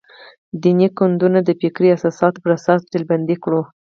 دیني ګوندونه د فکري اساساتو پر اساس ډلبندي کړو.